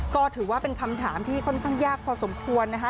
ก็ถือว่าเป็นคำถามที่ค่อนข้างยากพอสมควรนะคะ